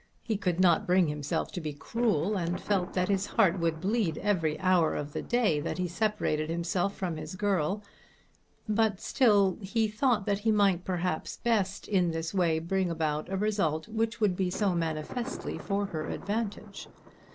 He could not bring himself to be cruel and felt that his heart would bleed every hour of the day that he separated himself from his girl; but still he thought that he might perhaps best in this way bring about a result which would be so manifestly for her advantage.